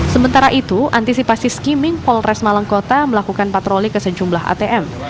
sementara itu antisipasi skimming polres malang kota melakukan patroli ke sejumlah atm